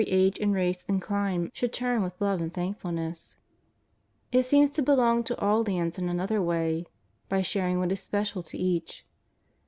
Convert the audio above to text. age and race and clime should turn with love and thank fulness. It seems to belong to all lands in another way — by sharing what is special to each.